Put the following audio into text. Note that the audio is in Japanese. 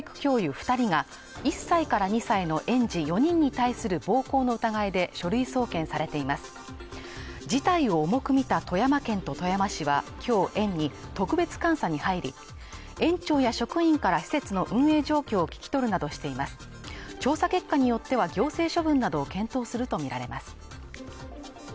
二人が１歳から２歳の園児４人に対する暴行の疑いで書類送検されています事態を重く見た富山県と富山市はきょう園に特別監査に入り園長や職員から施設の運営状況を聞き取るなどしています調査結果によっては行政処分などを検討するとみられます